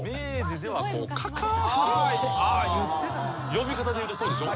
呼び方でいうとそうでしょ。